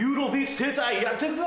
やって行くぞ！